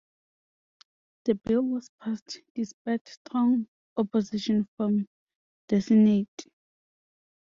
The bill was passed despite strong opposition from the senate.